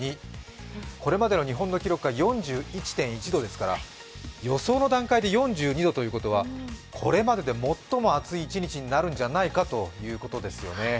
これまで日本の記録が４１．１度ですから、予想の段階で４２度ということはこれまでで最も暑い一日になるんじゃないかということですよね。